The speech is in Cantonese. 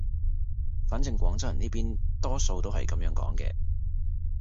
反正廣州人呢邊多數係噉樣講嘅